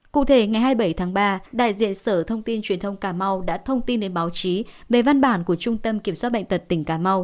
cụ thể ngày hai mươi bảy tháng ba đại diện sở thông tin truyền thông cà mau đã thông tin đến báo chí về văn bản của trung tâm kiểm soát bệnh tật tỉnh cà mau